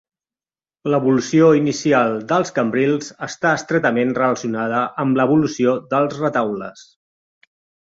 L'evolució inicial dels cambrils està estretament relacionada amb l'evolució dels retaules.